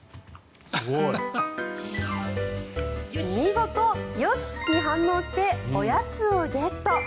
見事「よし！」に反応しておやつをゲット。